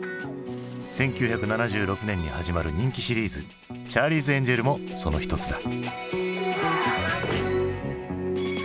１９７６年に始まる人気シリーズ「チャーリーズ・エンジェル」もその一つだ。